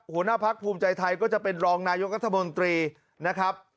หัวหน้าพักภูมิใจไทยก็จะเป็นรองนายกรัฐมนตรีนะครับ